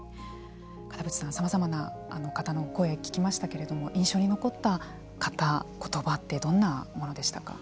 片渕さん、さまざまな方の声を聴きましたけれども印象に残った方、言葉ってどんなものでしたか。